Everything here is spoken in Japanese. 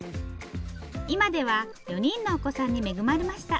今では４人のお子さんに恵まれました。